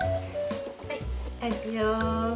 はいはいいくよ。